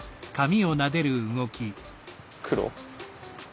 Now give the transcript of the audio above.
黒。